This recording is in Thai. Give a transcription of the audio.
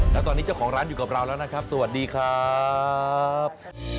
แล้วตอนนี้เจ้าของร้านอยู่กับเราแล้วนะครับสวัสดีครับ